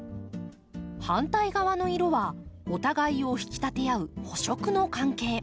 反対側の色はお互いを引き立て合う補色の関係。